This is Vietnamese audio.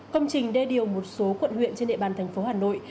công trình đê điều một số quận huyện trên địa bàn tp hà nội